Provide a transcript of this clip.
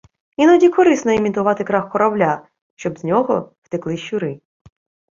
Іноді корисно імітувати крах корабля, щоб з нього втекли щури.